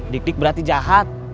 dik dik berarti jahat